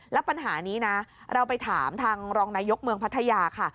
แล้วปัญหานี้นะเราไปถามทางรองนายกเมืองพัทยาค่ะ